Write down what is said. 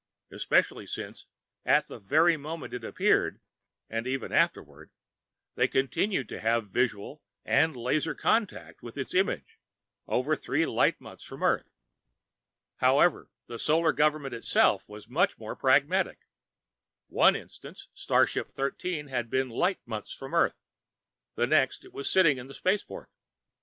Especially since at the very moment it appeared, and even afterward, they continued to have visual and laser contact with its image, over three light months from Earth. However, the Solar Government itself was much more pragmatic. One instant, starship Thirteen had been light months from Earth, the next it was sitting in the Spaceport.